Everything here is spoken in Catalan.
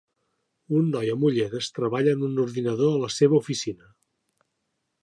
Un noi amb ulleres treballa en un ordinador a la seva oficina.